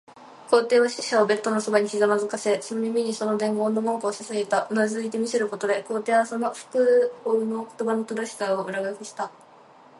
皇帝は使者をベッドのそばにひざまずかせ、その耳にその伝言の文句をささやいた。うなずいて見せることで、皇帝はその復誦の言葉の正しさを裏書きした。